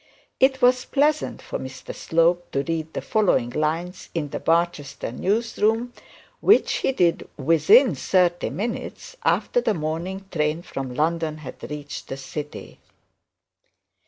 It was pleasant for Mr Slope to read the following line in the Barchester news room, which he did within thirty minutes after the morning train from London had reached the city.